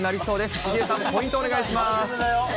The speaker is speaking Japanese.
杉江さん、ポイントをお願いします。